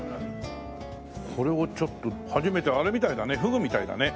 これをちょっと初めてあれみたいだねフグみたいだね。